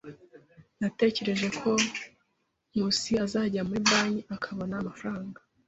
Natekereje ko Nkusi azajya muri banki akabona amafaranga.